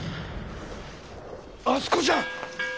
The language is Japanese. あそこじゃ！